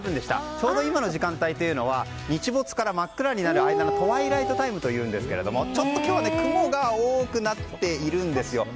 ちょうど今の時間帯は日没から真っ暗になる間のトワイライトタイムというんですがちょっと今日は雲が多くなっているんですよ。